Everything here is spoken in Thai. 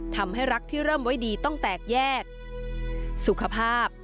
ทำให้รักที่เริ่มไว้ดีต้องแตกแยกสุขภาพ